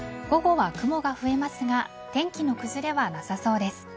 午後は雲が増えますが天気の崩れはなさそうです。